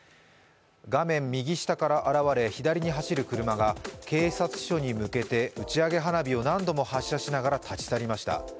画面右下から現れ左に走る車が警察署に向けて打ち上げ花火を何度も発射しながら立ち去りました。